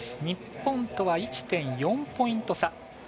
日本とは１．４ポイント差。